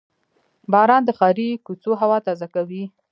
• باران د ښاري کوڅو هوا تازه کوي.